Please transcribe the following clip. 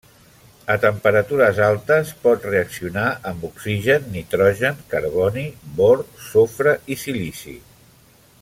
A temperatures altes pot reaccionar amb oxigen, nitrogen, carboni, bor, sofre i silici.